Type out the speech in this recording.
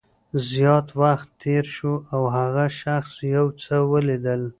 زیات وخت تېر شو او هغه شخص یو څه ولیدل